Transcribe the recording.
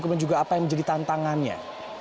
kemudian juga apa yang menjadi tantangannya